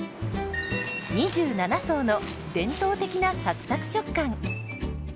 ２７層の伝統的なサクサク食感。